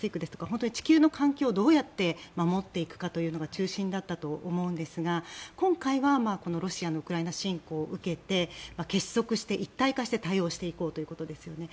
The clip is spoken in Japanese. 本当に地球の環境をどうやって守っていくかが中心だったと思うんですが今回はロシアのウクライナ侵攻を受けて結束して一体化して対応していこうということですよね。